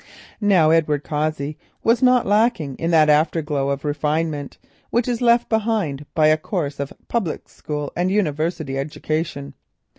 Now Edward Cossey was not lacking in that afterglow of refinement which is left by a course of public school and university education.